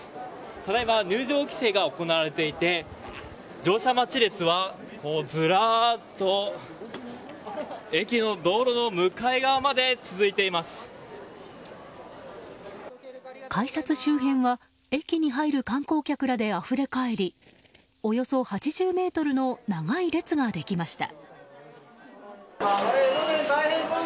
ただ今、入場規制が行われていて乗車待ちの列は、ずらっと駅の道路の向かい側まで改札周辺は駅に入る観光客らであふれかえりおよそ８０ｍの長い列ができました。